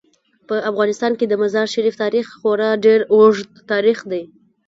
په افغانستان کې د مزارشریف تاریخ خورا ډیر اوږد تاریخ دی.